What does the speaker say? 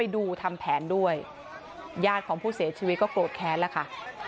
ดูทำแผนด้วยญาติของผู้เสียชีวิตก็โกรธแค้นแล้วค่ะ